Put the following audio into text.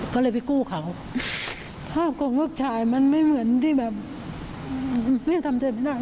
ก็เลยไปกู้เขาภาพของลูกชายมันไม่เหมือนที่แบบแม่ทำใจไม่ได้